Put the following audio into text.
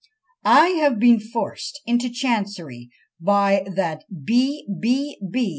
"I have been forced into chancery by that B. B. B.